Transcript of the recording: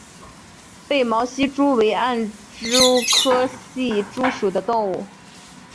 被毛隙蛛为暗蛛科隙蛛属的动物。